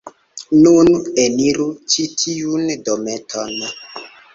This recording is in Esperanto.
Nun, eniru ĉi tiun dometon...